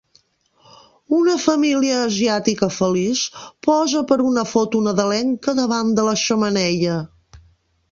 Una família asiàtica feliç posa per una foto nadalenca davant de la xemeneia.